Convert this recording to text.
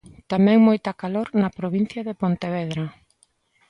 Tamén moita calor na provincia de Pontevedra.